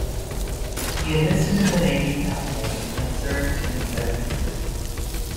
He enlisted in the Navy that May, and served in the South Pacific.